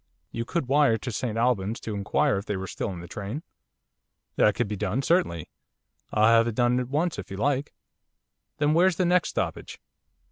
'You could wire to St Albans to inquire if they were still in the train?' 'That could be done, certainly. I'll have it done at once if you like.' 'Then where's the next stoppage?